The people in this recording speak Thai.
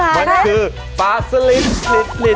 มันคือปลาสลิด